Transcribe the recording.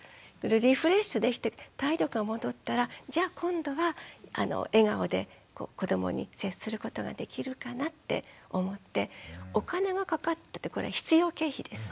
リフレッシュできて体力が戻ったらじゃあ今度は笑顔で子どもに接することができるかなって思ってお金がかかってってこれは必要経費です。